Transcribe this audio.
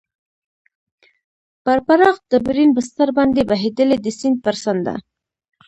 پر پراخ ډبرین بستر باندې بهېدلې، د سیند پر څنډه.